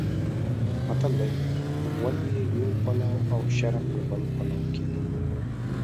متل دی: غول یې یو پلو او شرم یې بل پلو کېدل.